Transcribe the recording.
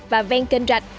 và ven kênh rạch